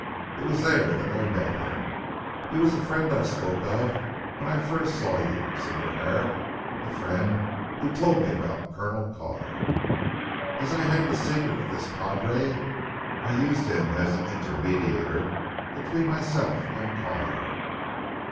It was there that I met him. He was the friend I spoke of when I first saw you, Señor Herrick the friend who told me about Colonel Carr. As I had the secret of this padre I used him as an intermediator between myself and Carr."